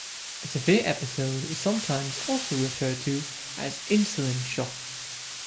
A severe episode is sometimes also referred to as "insulin shock".